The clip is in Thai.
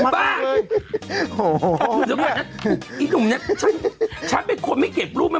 เพื่อสิ่งนั่นเนี่ยฉันเป็นคนไม่เก็บรูปแม่น